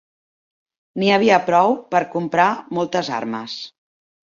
N'hi havia prou per comprar moltes armes.